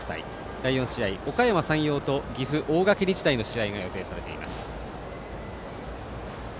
第４試合おかやま山陽と岐阜、大垣日大の試合が予定されています。